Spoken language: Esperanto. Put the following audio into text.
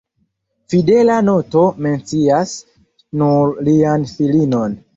Fidela noto mencias nur lian filinon.